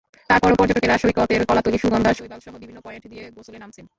তারপরও পর্যটকেরা সৈকতের কলাতলী, সুগন্ধা, শৈবালসহ বিভিন্ন পয়েন্ট দিয়ে গোসলে নামছেন।